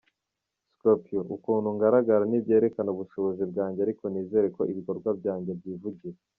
Scorpio : Ukuntu ngaragara ntibyerekana ubushobozi bwanjye ariko nizere ko ibikorwa byanjye byivugira.